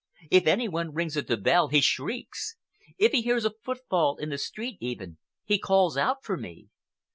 If any one rings at the bell, he shrieks. If he hears a footfall in the street, even, he calls out for me.